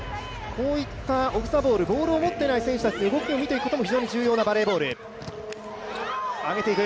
こういったオフザボールボールを持っていない選手たちの動きを見ていくのも非常に大事なバレーボール。